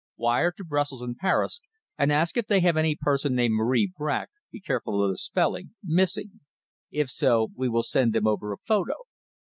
"Wire to Brussels and Paris and ask if they have any person named Marie Bracq be careful of the spelling missing. If so, we will send them over a photo."